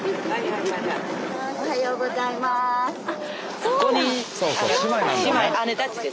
おはようございます。